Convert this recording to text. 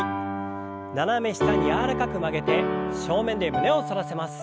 斜め下に柔らかく曲げて正面で胸を反らせます。